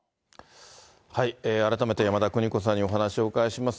改めて山田邦子さんにお話をお伺いします。